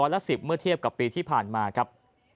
ละ๑๐เมื่อเทียบกับปีที่ผ่านมาครับ